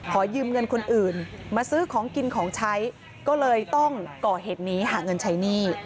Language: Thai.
ขอยืมเงินคนอื่นมาซื้อของกินของใช้ก็เลยต้องก่อเหตุนี้หาเงินใช้หนี้